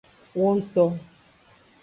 Wongto.